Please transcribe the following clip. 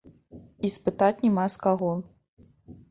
І спытаць няма з каго.